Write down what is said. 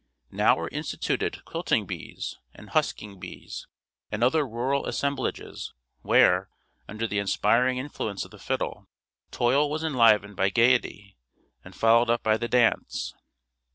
Now were instituted "quilting bees," and "husking bees," and other rural assemblages, where, under the inspiring influence of the fiddle, toil was enlivened by gayety and followed up by the dance.